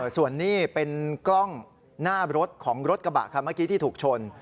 ส่วนนี้เป็นกล้องหน้ารถของรถกระบะคันเมื่อกี้ที่ถูกชน